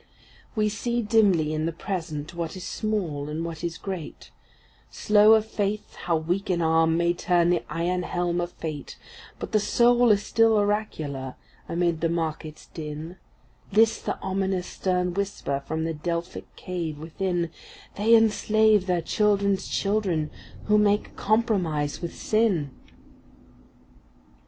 We see dimly in the Present what is small and what is great, Slow of faith how weak an arm may turn the iron helm of fate, But the soul is still oracular; amid the market’s din, List the ominous stern whisper from the Delphic cave within,— ‘They enslave their children’s children who make compromise with sin.